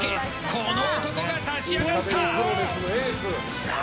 この男が立ち上がった！